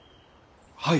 はい！